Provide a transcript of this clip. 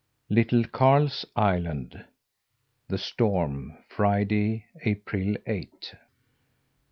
LITTLE KARL'S ISLAND THE STORM Friday, April eighth.